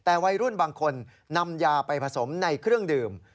แต่วัยรุ่นบางคนนำยาไปผสมในเครื่องดื่ม